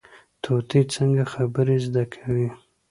طوطي څنګه خبرې زده کوي؟